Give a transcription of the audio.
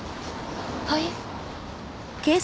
はい？